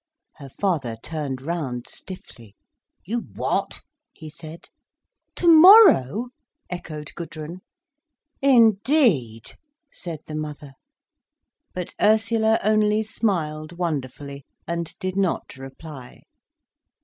Her father turned round, stiffly. "You what?" he said. "Tomorrow!" echoed Gudrun. "Indeed!" said the mother. But Ursula only smiled wonderfully, and did not reply.